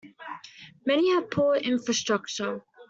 Many have poor infrastructure.